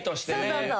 そうそう。